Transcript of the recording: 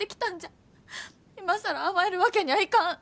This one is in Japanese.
今更甘えるわけにゃあいかん。